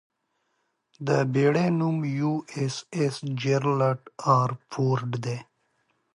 د بېړۍ نوم 'یواېساېس جېرالډ ار فورډ' دی.